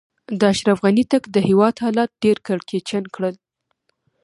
د اشرف غني تګ؛ د هېواد حالات ډېر کړکېچن کړل.